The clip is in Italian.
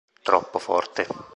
Troppo forte!